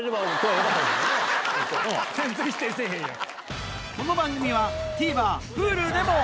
全然否定せぇへんやん！